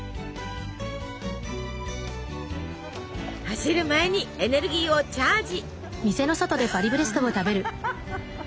走る前にエネルギーをチャージ！